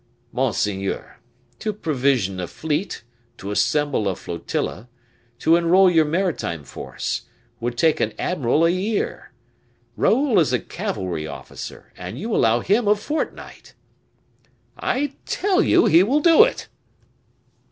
"Monseigneur, to provision a fleet, to assemble a flotilla, to enroll your maritime force, would take an admiral a year. Raoul is a cavalry officer, and you allow him a fortnight!" "I tell you he will do it."